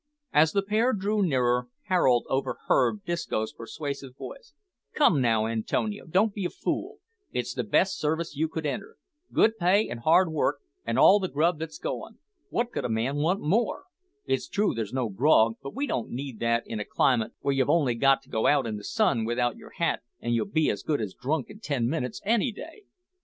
As the pair drew nearer, Harold overheard Disco's persuasive voice: "Come now, Antonio, don't be a fool; it's the best service you could enter. Good pay and hard work, and all the grub that's goin' what could a man want more? It's true there's no grog, but we don't need that in a climate where you've only got to go out in the sun without yer hat an' you'll be as good as drunk in ten minutes, any day."